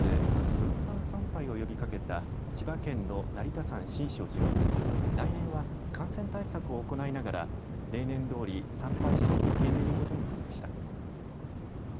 分散参拝を呼びかけた千葉県の成田山新勝寺は来年は感染対策を行いながら例年どおり参拝者を受け入れることになりました。